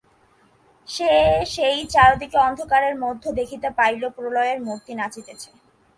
সে সেই চারিদিকের অন্ধকারের মধ্যে দেখিতে পাইল, প্রলয়ের মূর্তি নাচিতেছে।